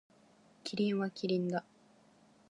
キリンはキリンだ。